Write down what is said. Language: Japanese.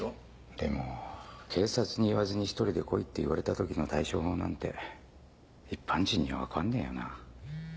でも「警察に言わずに１人で来い」って言われた時の対処法なんて一般人には分かんねえよな。